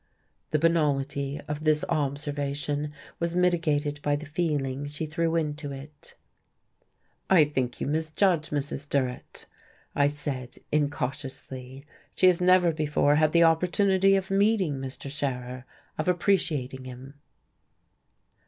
The banality of this observation was mitigated by the feeling she threw into it. "I think you misjudge Mrs. Durrett," I said, incautiously. "She has never before had the opportunity of meeting Mr. Scherer of appreciating him."